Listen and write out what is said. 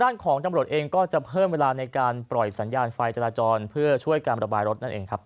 ของตำรวจเองก็จะเพิ่มเวลาในการปล่อยสัญญาณไฟจราจรเพื่อช่วยการระบายรถนั่นเองครับ